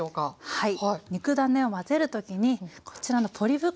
はい。